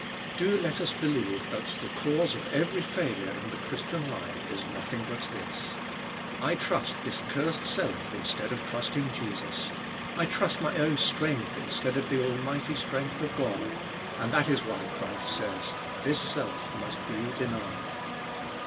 Do let us believe that tlie cause of every failure in the Christian life is nothing but this. I trust this THE SELF LIFE 33 cursed self, instead of trusting Jesus. I trust my own strength, instead of the almighty strength of God. And that is why Christ says, "This self must be d^^nied."